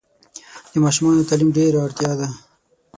د ماشومانو تعلیم ډېره اړتیا ده.